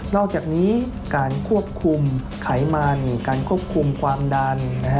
อกจากนี้การควบคุมไขมันการควบคุมความดัน